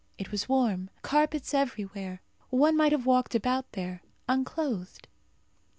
It was warm. Carpets everywhere. One might have walked about there, unclothed.